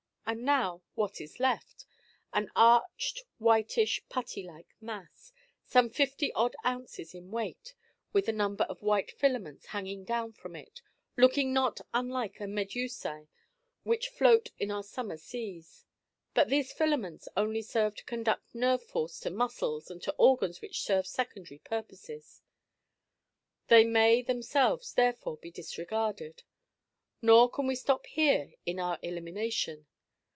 And now what is left? An arched whitish putty like mass, some fifty odd ounces in weight, with a number of white filaments hanging down from it, looking not unlike the medusae which float in our summer seas. But these filaments only serve to conduct nerve force to muscles and to organs which serve secondary purposes. They may themselves therefore be disregarded. Nor can we stop here in our elimination.